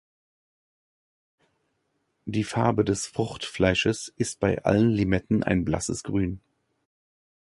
Die Farbe des Fruchtfleisches ist bei allen Limetten ein blasses Grün.